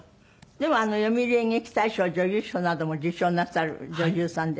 でも読売演劇大賞女優賞なども受賞なさる女優さんで。